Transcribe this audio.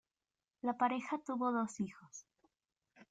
La pareja tuvo dos hijos.